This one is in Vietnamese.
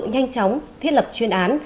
nhanh chóng thiết lập chuyên án